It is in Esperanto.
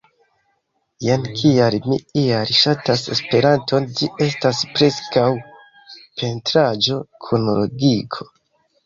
Jen kial mi ial ŝatas Esperanton ĝi estas preskaŭ pentraĵo kun logiko